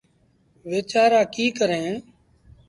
ويچآرآ ڪيٚ ڪريݩ۔